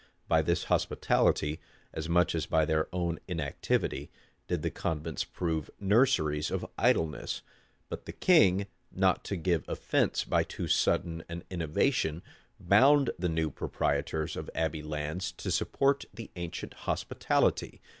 By this hospitality, as much as by their own inactivity, did the convents prove nurseries of idleness; but the king, not to give offence by too sudden an innovation, bound the new proprietors of abbey lands to support the ancient hospitality.